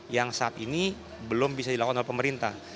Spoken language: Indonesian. yang saat ini belum bisa dilakukan oleh pemerintah